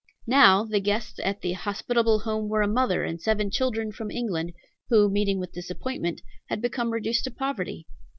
Now the guests at the hospitable home were a mother and seven children, from England, who, meeting with disappointments, had become reduced to poverty.